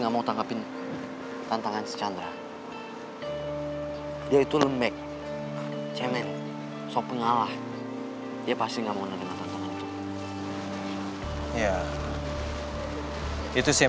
mbak pis udah makan sayang